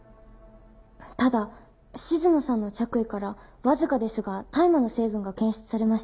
ただ静野さんの着衣からわずかですが大麻の成分が検出されました。